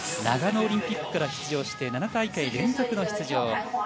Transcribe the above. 長野オリンピックから出場して７大会連続の出場。